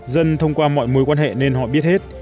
dân thông qua mọi mối quan hệ nên họ biết hết